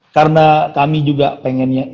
karena kami juga pengennya